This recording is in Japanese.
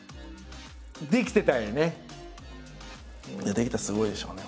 できたらすごいでしょうね